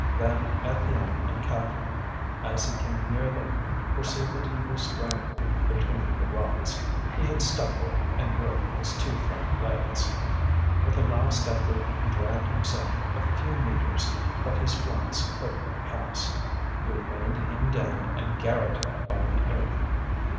Then Étienne and Catherine, as he came near them, perceived that he was strangling between the rocks. He had stumbled and broken his two front legs. With a last effort, he dragged himself a few metres, but his flanks could not pass; he remained hemmed in and garrotted by the earth.